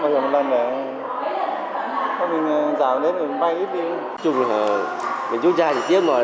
chủng ở bình chú trà thì tiếc mà đóng vào thì lại không theo được